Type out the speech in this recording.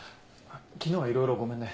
昨日はいろいろごめんね。